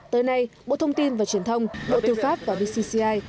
tới nay bộ thông tin và truyền thông bộ tiêu pháp và bcci